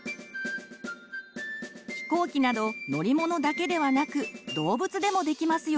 ひこうきなど乗り物だけではなく動物でもできますよ！